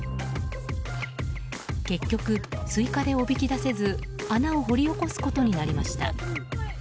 結局スイカでおびき出せず穴を掘り起こすことになりました。